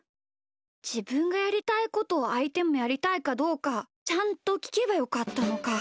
じぶんがやりたいことをあいてもやりたいかどうかちゃんときけばよかったのか。